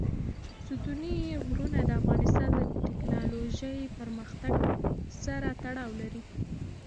ستوني غرونه د افغانستان د تکنالوژۍ پرمختګ سره تړاو لري.